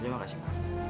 terima kasih pak